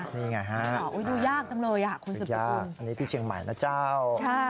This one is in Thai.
ไหนน่ะดูยากจังเลยคุณสุภิกษ์คุณอันนี้พี่เชียงใหม่นะเจ้า